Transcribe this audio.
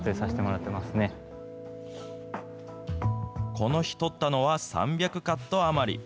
この日撮ったのは３００カット余り。